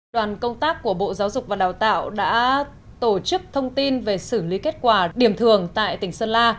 đoàn công tác của bộ giáo dục và đào tạo đã tổ chức thông tin về xử lý kết quả điểm thường tại tỉnh sơn la